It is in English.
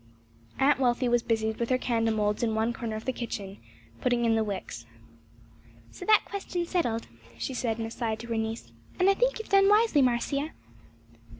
Aunt Wealthy was busied with her candle moulds in one corner of the kitchen; putting in the wicks. "So that question's settled," she said in an aside to her niece; "and I think you have done wisely, Marcia."